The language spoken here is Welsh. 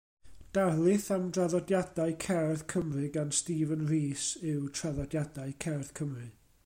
Darlith am draddodiadau cerdd Cymru gan Stephen Rees yw Traddodiadau Cerdd Cymru.